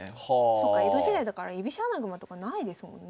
そっか江戸時代だから居飛車穴熊とかないですもんね。